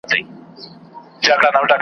ستا تر پښو دي صدقه سر د هامان وي .